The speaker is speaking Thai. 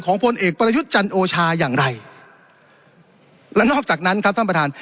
พลเอกประยุทธ์จันโอชาอย่างไรและนอกจากนั้นครับท่านประธาน